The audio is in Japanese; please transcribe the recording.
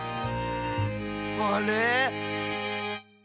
あれ？